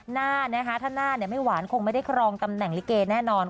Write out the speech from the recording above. หน้านะคะถ้าหน้าไม่หวานคงไม่ได้ครองตำแหน่งลิเกแน่นอน